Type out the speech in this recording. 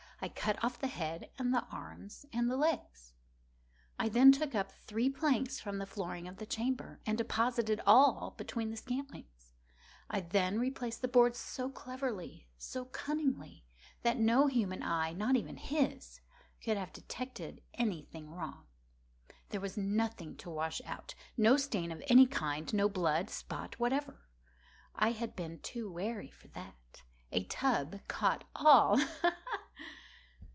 I cut off the head and the arms and the legs. I then took up three planks from the flooring of the chamber, and deposited all between the scantlings. I then replaced the boards so cleverly, so cunningly, that no human eye—not even his—could have detected any thing wrong. There was nothing to wash out—no stain of any kind—no blood spot whatever. I had been too wary for that. A tub had caught all—ha! ha!